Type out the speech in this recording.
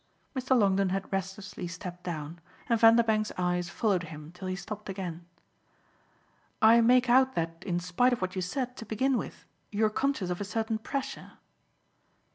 Mr. Longdon had restlessly stepped down, and Vanderbank's eyes followed him till he stopped again. "I make out that in spite of what you said to begin with you're conscious of a certain pressure."